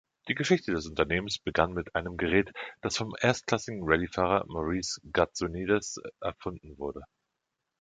Die Geschichte des Unternehmens begann mit einem Gerät, das vom erstklassigen Rallyefahrer Maurice Gatsonides erfunden wurde.